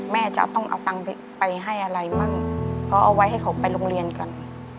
แม่จะต้องเอาตังค์ไปให้อะไรมั่งเพราะเอาไว้ให้เขาไปโรงเรียนก่อน